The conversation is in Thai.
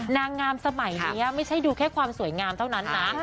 นางงามสมัยนี้ไม่ใช่ดูแค่ความสวยงามเท่านั้นนะ